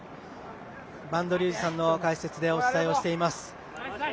播戸竜二さんの解説でお伝えしています。